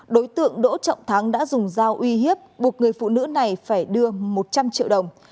đối tượng đỗ trọng thắng đã dùng dao uy hiếp buộc người phụ nữ này phải đưa một trăm linh triệu đồng